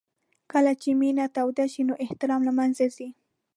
کله چې مینه توده شي نو احترام له منځه ځي.